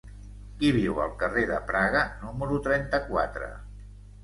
Qui viu al carrer de Praga número trenta-quatre?